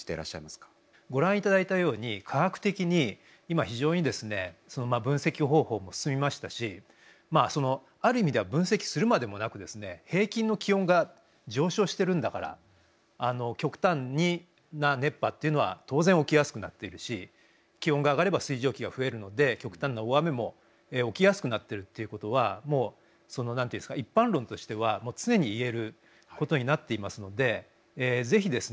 ご覧いただいたように科学的に今非常に分析方法も進みましたしある意味では分析するまでもなく平均の気温が上昇してるんだから極端な熱波っていうのは当然起きやすくなっているし気温が上がれば水蒸気が増えるので極端な大雨も起きやすくなってるっていうことはもうその何ていうんですか一般論としては常に言えることになっていますのでぜひですね